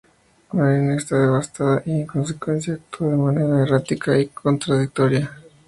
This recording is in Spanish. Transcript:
Marianne está devastada y, en consecuencia, actúa de manera errática y contradictoria.